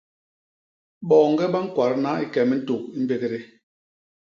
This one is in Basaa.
Boñge ba ñkwadna i ke mintuk i mbédgé.